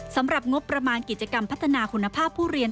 สำหรับงบประมาณกิจกรรมพัฒนาคุณภาพผู้เรียน